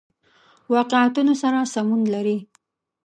واقعیتونو سره سمون لري.